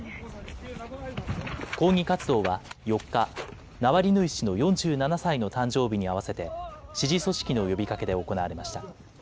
抗議活動は４日、ナワリヌイ氏の４７歳の誕生日に合わせて支持組織の呼びかけで行われました。